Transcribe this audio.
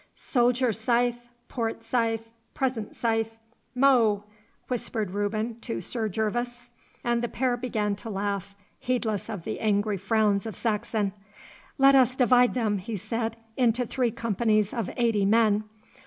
'Shoulder scythe, port scythe, present scythe mow!' whispered Reuben to Sir Gervas, and the pair began to laugh, heedless of the angry frowns of Saxon. 'Let us divide them,' he said, 'into three companies of eighty men.